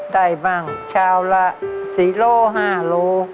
ได้บังชาวละ๐๕โลล